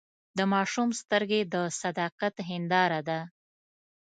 د ماشوم سترګې د صداقت هنداره ده.